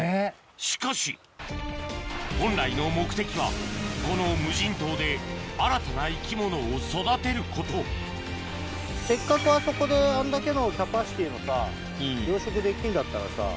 しかし本来の目的はこの無人島で新たな生き物を育てることせっかくあそこであんだけのキャパシティーのさ養殖できんだったらさ